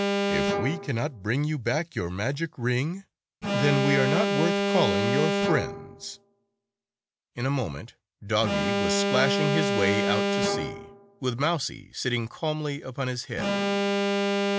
If we cannot bring you back your magic ring, then we are not worth calling your friends." 1 88 In a moment, Doggie was splashing his way out to sea, with Mousie sitting calmly upon his head.